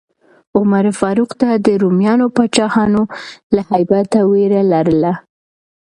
عمر فاروق ته د رومیانو پاچاهانو له هیبته ویره لرله.